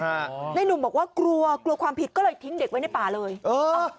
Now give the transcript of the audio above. ในหนุ่มบอกว่ากลัวกลัวความผิดก็เลยทิ้งเด็กไว้ในป่าเลยเออ